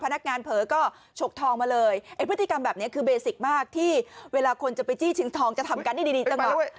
แล้วก็ชกทองมาเลยพฤติกรรมแบบนี้คือเบสิกมากที่เวลาคนจะไปจี้ชิงทองจะทำกันดีต่าง